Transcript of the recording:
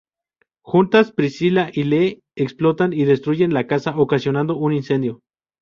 Juntas, Priscilla y Lee explotan y destruyen la casa, ocasionando un incendio.